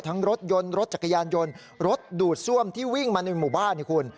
รถยนต์รถจักรยานยนต์รถดูดซ่วมที่วิ่งมาในหมู่บ้านเนี่ยคุณ